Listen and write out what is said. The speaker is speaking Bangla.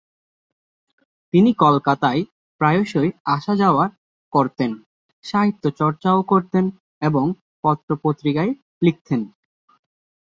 তিনি কলকাতায় প্রায়শই আসা-যাওয়ার করতেন, সাহিত্যচর্চাও করতেন এবং পত্র পত্রিকায় লিখতেন।